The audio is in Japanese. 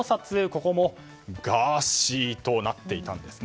ここもガーシーとなっていたんです。